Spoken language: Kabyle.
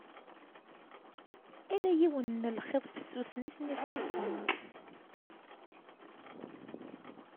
Ala yiwen n lxiḍ fessusen i ten-iferqen.